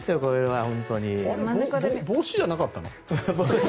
帽子じゃなかったの？